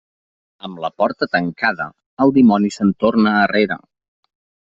Amb la porta tancada, el dimoni se'n torna arrere.